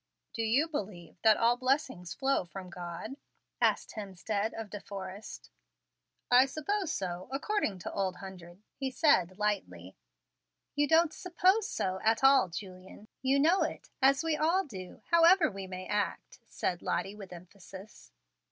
"Do you believe that 'all blessings flow' from God?" asked Hemstead of De Forrest. "I suppose so, according to Old Hundred," he said lightly. "You don't 'suppose so' at all, Julian. You know it, as we all do, however we may act," said Lottie, with emphasis.